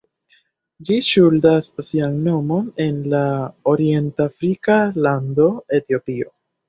Ĝi ŝuldas sian nomon al la orient-afrika lando Etiopio.